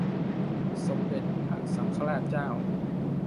สมเด็จพระสังฆราชเจ้า